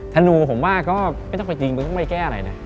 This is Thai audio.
ธนูผมว่าก็ไม่ต้องไปจริงมันต้องไปแก้อะไรนะ